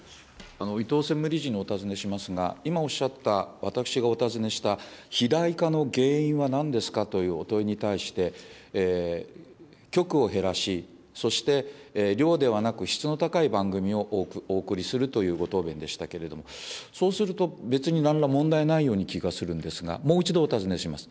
伊藤専務理事にお尋ねしますが、今おっしゃった、私がお尋ねした肥大化の原因はなんですかというお問いに対して、局を減らし、そして量ではなく質の高い番組をお送りするというご答弁でしたけれども、そうすると、別になんら問題ないように気がするんですが、もう一度お尋ねします。